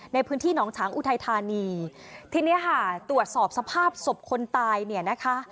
ในพื้นที่หนองฉางอุทัยธานีทีเนี้ยค่ะตรวจสอบสภาพศพคนตายเนี่ยนะคะ